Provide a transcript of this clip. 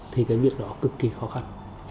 thì cái việc đó cực kỳ khó khăn